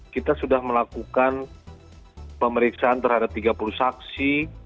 kita sudah melakukan pemeriksaan terhadap tiga puluh saksi